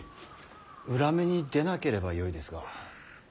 裏目に出なければよいですが。